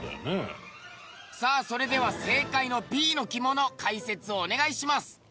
さあそれでは正解のＢの着物解説をお願いします。